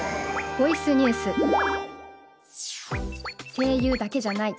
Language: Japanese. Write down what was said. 声優だけじゃない。